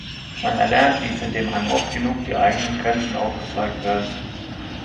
Man erlernt dies, indem einem oft genug die eigenen Grenzen aufgezeigt werden.